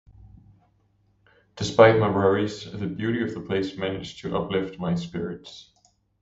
Despite my worries, the beauty of the place managed to uplift my spirits.